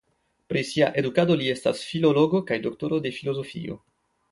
Pri sia edukado li estas filologo kaj doktoro de filozofio.